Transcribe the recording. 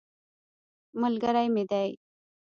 ملګری مې دی.